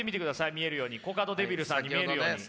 見えるようにコカドデビルさんに見えるように。